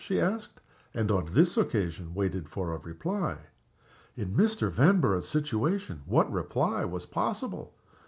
she asked, and, on this occasion, waited for a reply. In Mr. Vanborough's situation what reply was possible?